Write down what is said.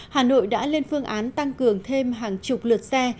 hà nội đã lên phương án tăng cường thêm hàng chục lượt xe